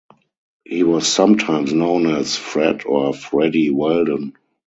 He was sometimes known as Fred or Freddie Wheldon.